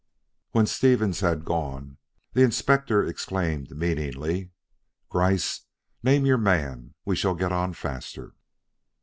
When Stevens had gone, the Inspector exclaimed meaningly: "Gryce! Name your man; we shall get on faster."